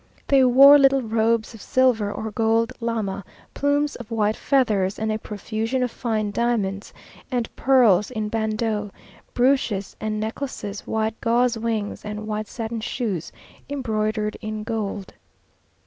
They wore little robes of silver or gold lama, plumes of white feathers, and a profusion of fine diamonds, and pearls, in bandeaux, brooches, and necklaces, white gauze wings, and white satin shoes, embroidered in gold.